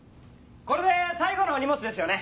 これで最後のお荷物ですよね？